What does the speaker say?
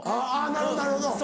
なるほどなるほど。